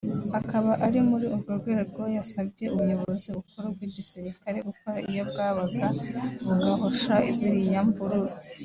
Akaba ari muri urwo rwego yasabye ubuyobozi bukuru bw’igisirikare gukora iyo bwabaga bugahosha ziriya mvururu